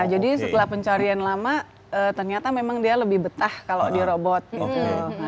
jadi setelah pencarian lama ternyata memang dia lebih betah kalau di robot gitu